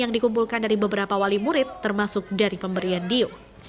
yang dikumpulkan dari beberapa wali murid termasuk dari pemberian dio